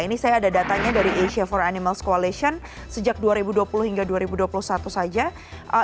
ini saya ada datanya dari asia for animals coalition sejak dua ribu dua puluh hingga dua ribu dua puluh satu saja